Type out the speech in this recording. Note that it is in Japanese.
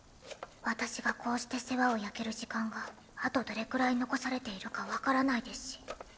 私がこうして世話を焼ける時間があとどれくらい残されているか分からないですし。